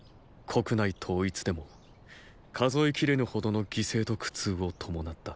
国内統一でも数えきれぬほどの犠牲と苦痛を伴った。